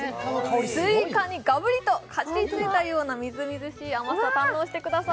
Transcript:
スイカにがぶりとかぶりついたようなみずみずしい甘さを堪能してください。